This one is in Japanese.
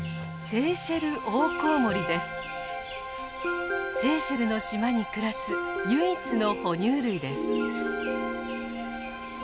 セーシェルの島に暮らす唯一の哺乳類です。